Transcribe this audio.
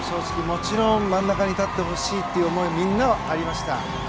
もちろん真ん中に立ってほしいという思いはみんな、ありました。